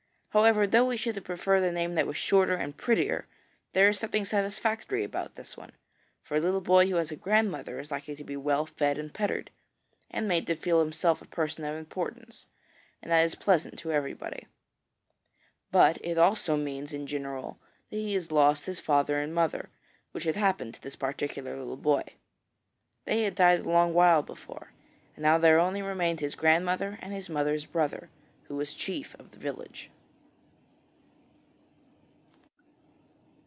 However, though we should have preferred a name that was shorter and prettier, there is something satisfactory about this one, for a little boy who has a grandmother is likely to be well fed and petted, and made to feel himself a person of importance, and that is pleasant to everybody. But it also means in general that he has lost his father and mother, which had happened to this particular little boy. They had died a long while before, and now there only remained his grandmother and his mother's brother, who was chief of the village.